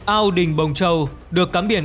ao đình bồng châu được cắm biển